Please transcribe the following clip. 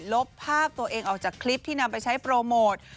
ลบภาพตัวเองออกจากคลิปที่นำไปใช้โปรโมท